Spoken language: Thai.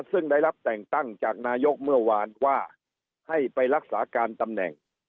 ซึ่งได้รับแต่งตั้งจากนายกเมื่อวานว่าให้ไปรักษาการตำแหน่ง